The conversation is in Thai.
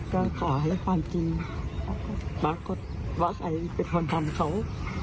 ก็ขอให้ความจริงปรากฏว่าใครเป็นคนทำเขา